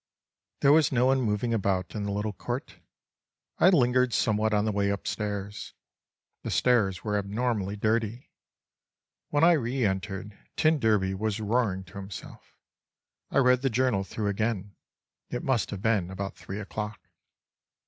There was no one moving about in the little court. I lingered somewhat on the way upstairs. The stairs were abnormally dirty. When I reentered, t d was roaring to himself. I read the journal through again. It must have been about three o'clock.